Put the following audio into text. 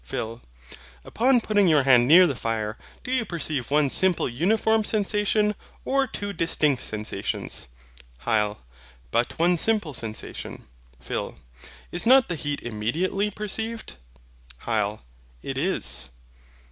PHIL. Upon putting your hand near the fire, do you perceive one simple uniform sensation, or two distinct sensations? HYL. But one simple sensation. PHIL. Is not the heat immediately perceived? HYL. It is.